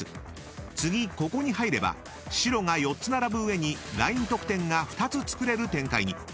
［次ここに入れば白が４つ並ぶ上にライン得点が２つつくれる展開に。